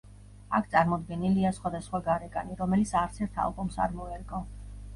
აქ წარმოდგენილია სხვადასხვა გარეკანი, რომელიც არც ერთ ალბომს არ მოერგო.